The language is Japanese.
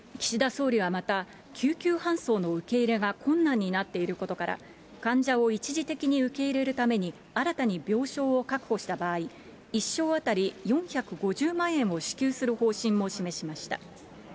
岸田総理はまた、救急搬送の受け入れが困難になっていることから、患者を一時的に受け入れるために新たに病床を確保した場合、１床当たり４５０万円を支給する方針も示しました。